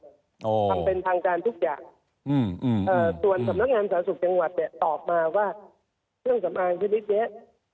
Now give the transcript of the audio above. แล้วสำนักงานศาสตร์สุขจังหวัดเนี่ยต่อมาว่าสำนักงานที่พิเศษ